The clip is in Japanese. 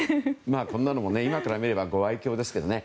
こんなのも今から見ればご愛敬ですけどね。